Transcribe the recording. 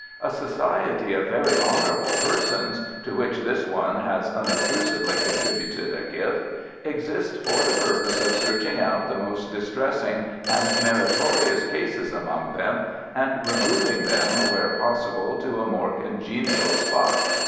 A society of very honourable persons (to which this one has unobtrusively contributed a gift), exists for the purpose of searching out the most distressing and meritorious cases among them, and removing them, where possible, to a more congenial spot.